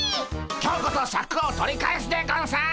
今日こそシャクを取り返すでゴンス。